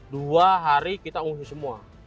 dua hari kita ungu semua